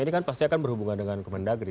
ini kan pasti akan berhubungan dengan kemendagri